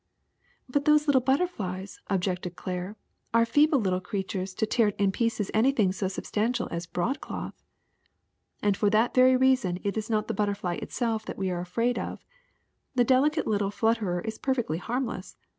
''^* But those little butterflies, '' objected Claire, ^^ are feeble little creatures to tear in pieces anj^thing so substantial as broadcloth." ^'And for that very reason it is not the butterfly itself that we are afraid of; the delicate little flut terer is perfectly harmless.